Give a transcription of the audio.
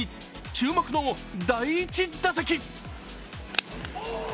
注目の第１打席。